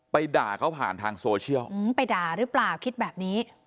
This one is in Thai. ด่าเขาผ่านทางโซเชียลไปด่าหรือเปล่าคิดแบบนี้